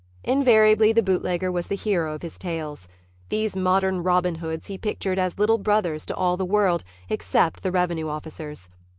Invariably the bootlegger was the hero of his tales. These modern Robin Hoods he pictured as little brothers to all the world except the revenue officers.